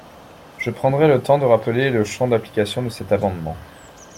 Je prendrai le temps de rappeler le champ d’application de cet amendement.